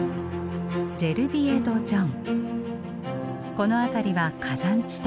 この辺りは火山地帯。